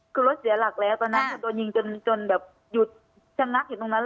คือรถเสียหลักแล้วตอนนั้นคือโดนยิงจนแบบหยุดชะงักอยู่ตรงนั้น